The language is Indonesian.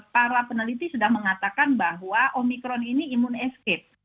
para peneliti sudah mengatakan bahwa omikron ini imun escape